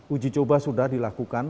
uji coba sudah dilakukan